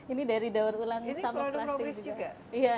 ini dari daur ulang sama plastik juga